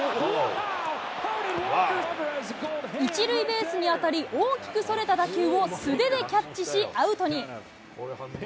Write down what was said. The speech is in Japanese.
一塁ベースに当たり、大きくそれた打球を素手でキャッチし、アウトに。